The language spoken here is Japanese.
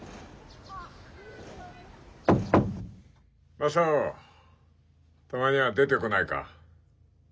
・雅夫たまには出てこないか？